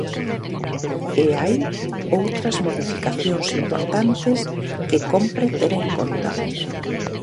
E hai outras modificacións importantes que cómpre ter en conta.